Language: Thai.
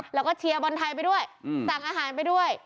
แล้วก็เชียร์บอลไทยไปด้วยสั่งอาหารไปด้วย